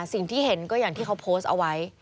สิ่งที่เห็นก็อย่างที่เขาโพสต์เอาไว้